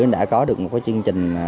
đã có được một chương trình